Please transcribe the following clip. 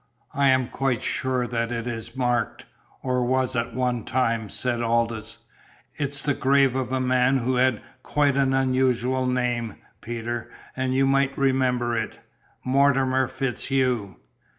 "I am quite sure that it is marked or was at one time," said Aldous. "It's the grave of a man who had quite an unusual name, Peter, and you might remember it Mortimer FitzHugh."